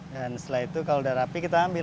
dan setelah itu kalau udah rapi kita ambil